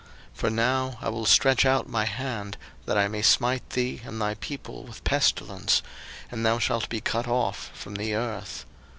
02:009:015 For now I will stretch out my hand, that I may smite thee and thy people with pestilence; and thou shalt be cut off from the earth.